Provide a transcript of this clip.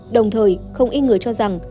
đồng thời không ít người cho rằng